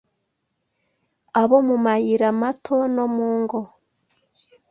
abo mu mayira mato no mungo